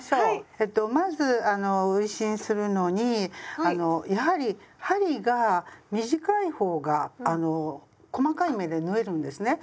えっとまず運針するのにやはり針が短い方が細かい目で縫えるんですね。